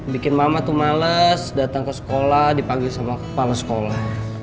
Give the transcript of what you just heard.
bikin mama tuh males datang ke sekolah dipanggil sama kepala sekolah